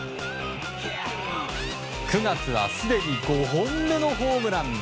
９月はすでに５本目のホームラン。